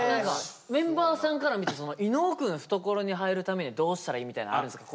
メンバーさんから見て伊野尾くん懐に入るためにどうしたらいいみたいなのあるんですか？